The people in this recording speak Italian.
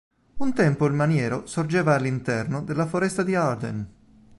Un tempo il maniero sorgeva all'interno della foresta di Arden.